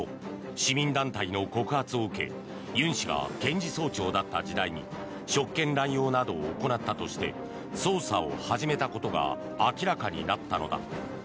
市民団体の告発を受けユン氏が検事総長だった時代に職権乱用などを行ったとして捜査を始めたことが明らかになったのだ。